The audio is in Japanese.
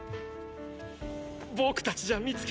僕たちじゃ見つけられない！